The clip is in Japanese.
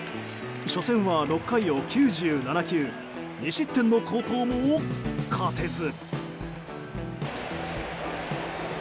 初戦は６回を９７球２失点の好投も勝てず。